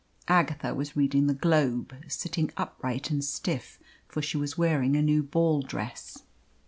Agatha was reading the Globe, sitting upright and stiff, for she was wearing a new ball dress.